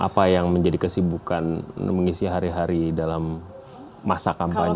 apa yang menjadi kesibukan mengisi hari hari dalam masa kampanye